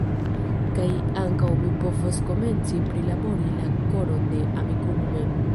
Kaj ankaŭ mi povos komenci prilabori la koron de Amikumu mem.